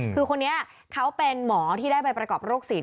คือคนนี้เขาเป็นหมอที่ได้ไปประกอบโรคศีล